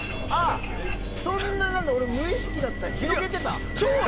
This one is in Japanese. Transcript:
そんな、俺無意識だったわ、広げてた？